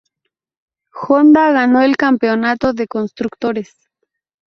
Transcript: Honda ganó el campeonato de constructores.